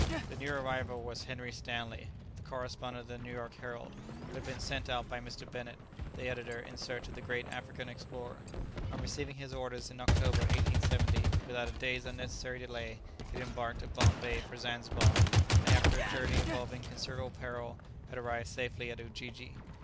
The new arrival was Henry Stanley, the correspondent of the New York Herald, who had been sent out by Mr. Bennett, the editor, in search of the great African explorer. On receiving his orders in October, 1870, without a day's unnecessary delay he had embarked at Bombay for Zanzibar, and, after a journey involving considerable peril, had arrived safely at Ujiji.